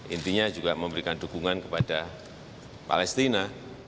intinya juga memberikan dukungan kepada palestina